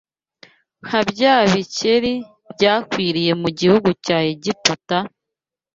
nka bya bikeri byakwiriye mu gihugu cya Egiputa,